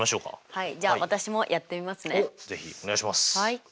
はい。